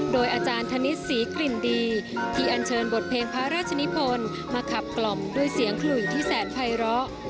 โดยอาจารย์ธนิษฐ์ศรีกลิ่นดีที่อันเชิญบทเพลงพระราชนิพลมาขับกล่อมด้วยเสียงขลุยที่แสนภัยร้อ